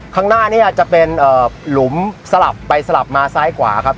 ข้างหน้านี้จะเป็นหลุมสลับไปสลับมาซ้ายกว่าครับ